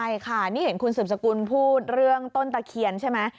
ใช่ค่ะนี่เห็นคุณสืบสกุลพูดเรื่องต้นตะเคียนใช่ไหม